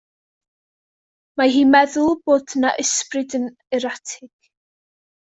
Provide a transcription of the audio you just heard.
Mae hi'n meddwl bod 'na ysbryd yn yr atig.